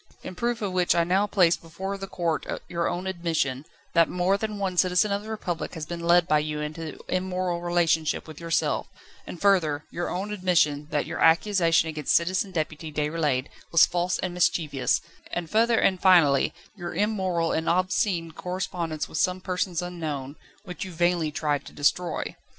In proof of which I now place before the court your own admission, that more than one citizen of the Republic has been led by you into immoral relationship with yourself; and further, your own admission, that your accusation against Citizen Deputy Déroulède was false and mischievous; and further, and finally, your immoral and obscene correspondence with some persons unknown, which you vainly tried to destroy.